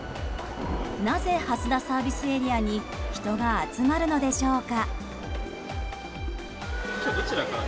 なぜ蓮田ＳＡに人が集まるのでしょうか？